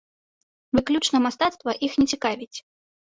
Выключна мастацтва іх не цікавіць.